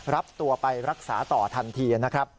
รับตัวไปรักษาต่อทันที